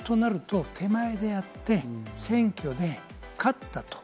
となると手前でやって、選挙で勝ったと。